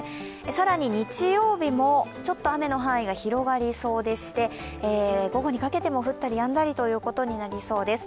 さらに日曜日もちょっと雨の範囲が広がりそうで午後にかけても降ったりやんだりということになりそうです。